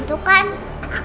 bukannya bukan kayak gitu